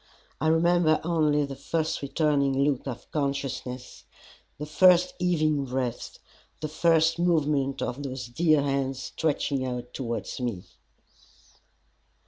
I remember only the first returning look of consciousness, the first heaving breath, the first movement of those dear hands stretching out towards me.